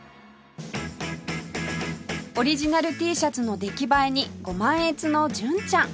オリジナル Ｔ シャツの出来栄えにご満悦の純ちゃん